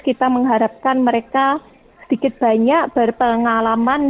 kita mengharapkan mereka sedikit banyak berpengalaman